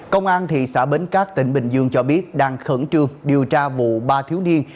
công an thị xã bến cát tỉnh bình dương cho biết đang khẩn trương điều tra vụ ba thiếu niên